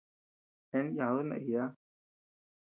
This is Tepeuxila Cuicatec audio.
Yebean yáduu naiyaa.